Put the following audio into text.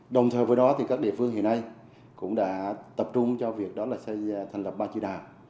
đồng thời với đó thì các địa phương hiện nay cũng đã tập trung cho việc đó là thành lập ba trị đạt